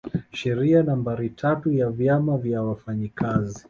Sheria nambari tatu ya vyama vya wafanyakazi